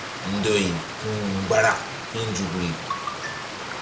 Ndoy ku̧ mgbarak hi̧ nzukri.